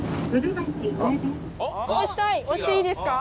押していいですか？